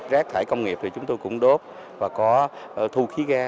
rác thải công nghiệp thì chúng tôi cũng đốt và có thu khí ga